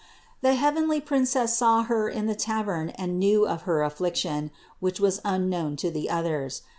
318. The heavenly Princess saw her in the tavern and knew of her affliction, which was unknown to the others.